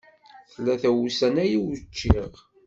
Tlata wussan aya ur ččiɣ.